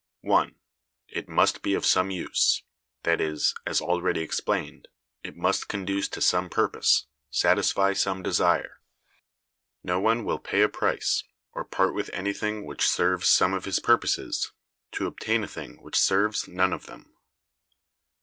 1. It must be of some use; that is (as already explained), it must conduce to some purpose, satisfy some desire. No one will pay a price, or part with anything which serves some of his purposes, to obtain a thing which serves none of them.